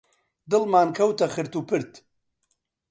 دڵمان کەوتە خرت و پرت